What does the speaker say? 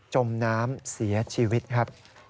จมน้ำเสียชีวิตครับ